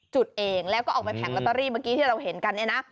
จุดเองแล้วก็เอาไปแผงลอตเตอรี่เมื่อกี้ที่เราเห็นกันเนี่ยนะ